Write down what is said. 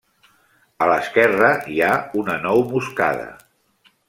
A l'esquerra hi ha una nou moscada.